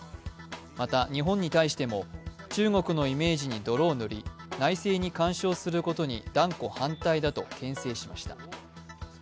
また、日本に対しても、中国のイメージに泥を塗り、内政に干渉することに断固反対だとけん制しました。